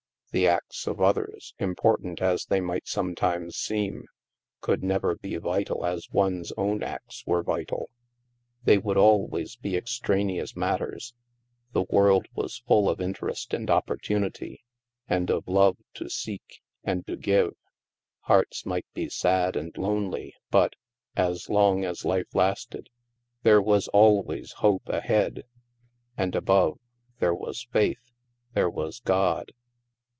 The acts of others, important as they might some times seem, could never be vital as one's own acts were vital; they would always be extraneous mat ters. The world was ' full of interest and oppor tunity — and of love to seek and to give. Hearts might be sad and lonely but, as long as life lasted, there was always hope ahead. And above, there was faith — there was God.